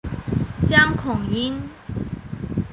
江孔殷。